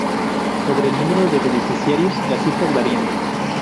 Sobre el número de beneficiarios, las cifras varían.